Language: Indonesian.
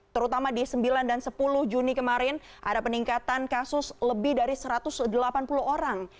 terutama di sembilan dan sepuluh juni kemarin ada peningkatan kasus lebih dari satu ratus delapan puluh orang